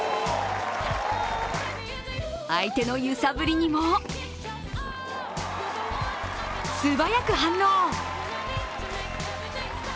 相手の揺さぶりにも素早く反応。